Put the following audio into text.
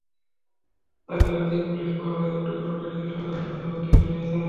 তাঁকে রাতেই পুলিশ পাহারায় চট্টগ্রাম মেডিকেল কলেজ হাসপাতালে ভর্তি করা হয়েছে।